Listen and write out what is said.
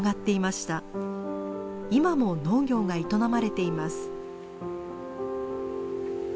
今も農業が営まれています。